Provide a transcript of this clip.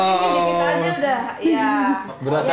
oh dikit dikit aja udah